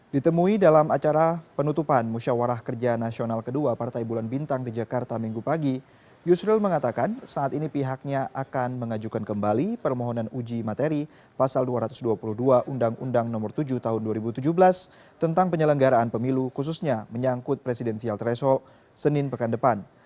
ditemui dalam acara penutupan musyawarah kerja nasional kedua partai bulan bintang di jakarta minggu pagi yusril mengatakan saat ini pihaknya akan mengajukan kembali permohonan uji materi pasal dua ratus dua puluh dua undang undang nomor tujuh tahun dua ribu tujuh belas tentang penyelenggaraan pemilu khususnya menyangkut presidensial threshold senin pekan depan